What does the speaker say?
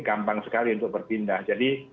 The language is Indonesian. gampang sekali untuk berpindah jadi